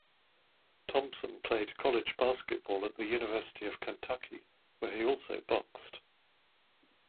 Thompson played college basketball at the University of Kentucky (where he also boxed).